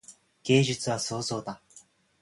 芸術は創造だ。